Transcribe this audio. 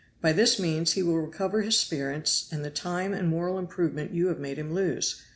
By this means he will recover his spirits and the time and moral improvement you have made him lose.